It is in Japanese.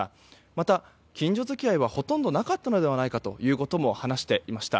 また、近所付き合いはほとんどなかったのではないかということも話していました。